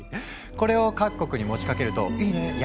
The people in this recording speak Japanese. これを各国に持ちかけると「いいね！」